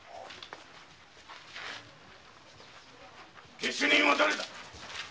下手人はだれだ！